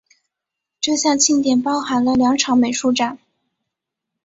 这项庆典包含了两场美术展。